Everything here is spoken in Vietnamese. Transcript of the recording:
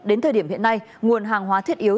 đến thời điểm hiện nay nguồn hàng hóa thiết yếu